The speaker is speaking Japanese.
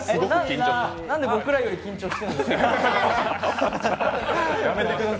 なんで、僕らより緊張してるんですか。